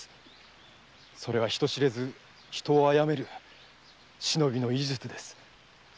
それは人知れず人を殺める忍びの医術です。